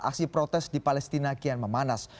aksi protes di palestina kian memanas